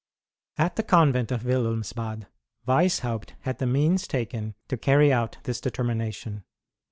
At the convent of Wilhelmsbad, Weishaupt had the means taken to carry out this determination.